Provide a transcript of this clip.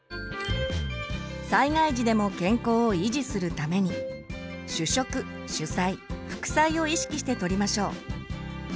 災害時でも健康を維持するために主食主菜副菜を意識して取りましょう。